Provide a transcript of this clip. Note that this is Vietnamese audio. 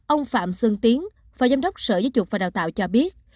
ông phạm xuân tiến phó giám đốc sở giáo dục và đào tạo cho biết